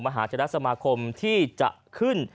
มหาธรรมชโมคมที่จะขึ้น